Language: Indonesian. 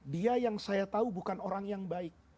dia yang saya tahu bukan orang yang baik